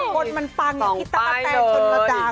คนมันปังอย่างพิตรตะแตนชนกระดาษ